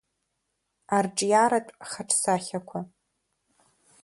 Арҿиаратә хаҿсахьақәа.